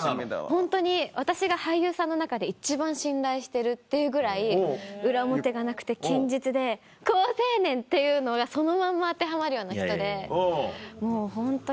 ホントに私が俳優さんの中で一番信頼してるっていうぐらい裏表がなくて堅実で好青年っていうのがそのまま当てはまるような人でもうホントに。